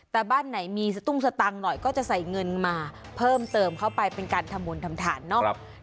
แต่บ้านไหนมีสตุ้งสตังค์หน่อยก็จะใส่เงินมาเพิ่มเติมเข้าไปเป็นการทำบุญทำทานเนอะ